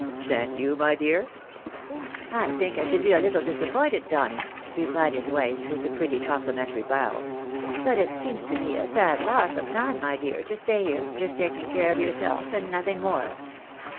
Shan't you, my dear ?"" I think I should be a little disappointed, Donny," replied his wife, with a pretty complimentary bow. " But it seems to me a sad loss of time, my dear, to stay here, just taking care of yourself, and nothing more.